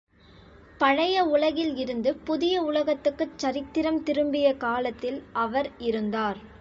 பழைய உலகில் இருந்து புதிய உலகத்துக்குச் சரித்திரம் திரும்பிய காலத்தில் அவர் இருந்தார்.